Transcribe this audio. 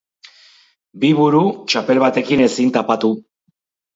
Bi buru txapel batekin ezin tapatu